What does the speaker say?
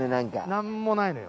なんもないのよ